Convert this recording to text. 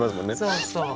そうそう！